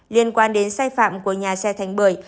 liên quan đến sai phạm của nhà xe thành bưởi